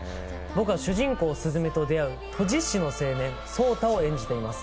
僕は主人公すずめと出会う閉じ師の青年・草太を演じています。